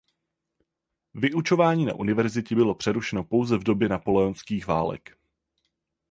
Vyučování na univerzitě bylo přerušeno pouze v době napoleonských válek.